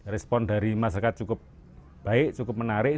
respon dari masyarakat cukup baik cukup menarik